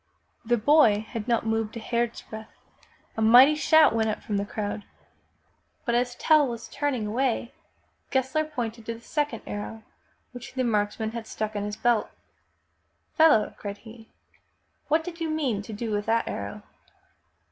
The boy had not moved a hairsbreadth ! A mighty shout went up from the crowd ! But as Tell was turn ing away, Gessler pointed to the second arrow which the marks man had stuck in his belt. " Fellow,'' cried he, ''what did you mean to do with that arrow?"